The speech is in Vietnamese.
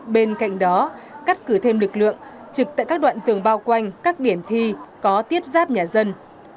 bên cạnh đó cắt cử thêm lực lượng trực tại các đoạn tường bao quanh các điểm thi có tiếp giáp nhà dân